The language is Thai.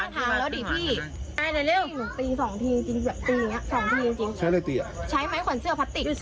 ถ้าอย่างงั้นก็ปล่อยทีลูกข้างทางแล้วดิพี่ใช้เลยตีอ่ะใช้ไหมขวัญเสื้อพัตติ